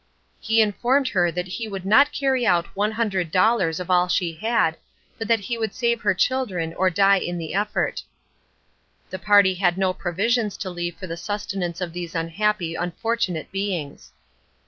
He informed her that he would not carry out one hundred dollars of all she had, but that he would save her children or die in the effort. The party had no provisions to leave for the sustenance of these unhappy, unfortunate beings.